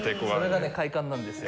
それがね快感なんですよ。